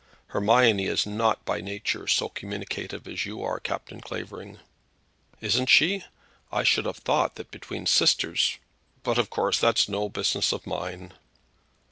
"Hermione is not by nature so communicative as you are, Captain Clavering." "Isn't she? I should have thought between sisters ; but of course that's no business of mine."